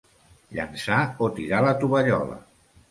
Llançar o tirar la tovallola.